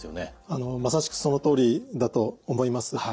まさしくそのとおりだと思います。